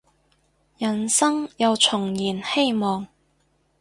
人生又重燃希望